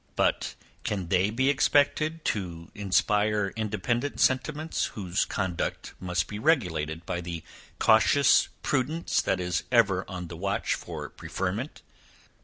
But, can they be expected to inspire independent sentiments, whose conduct must be regulated by the cautious prudence that is ever on the watch for preferment?